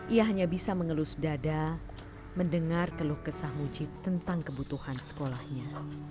ia hanya bisa mengelus dada mendengar keluh kesah mujib tentang kebutuhan sekolahnya